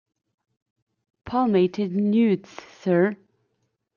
Palmated newts, sir.